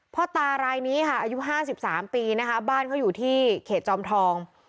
พ่อตารายนี้ค่ะอายุ๕๓ปีนะคะบ้านเขาอยู่ที่เขตจอมทอง